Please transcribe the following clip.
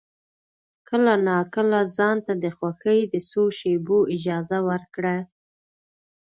کله ناکله ځان ته د خوښۍ د څو شېبو اجازه ورکړه.